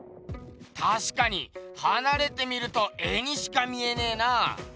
たしかにはなれて見ると絵にしか見えねえな。